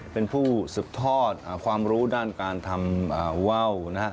เป็นผู้สืบทอดความรู้ด้านการทำว่าวนะฮะ